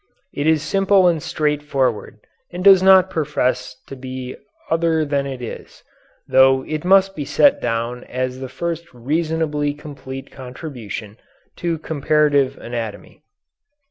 It is simple and straightforward and does not profess to be other than it is, though it must be set down as the first reasonably complete contribution to comparative anatomy.